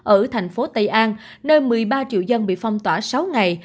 ở thành phố tây an nơi một mươi ba triệu dân bị phong tỏa sáu ngày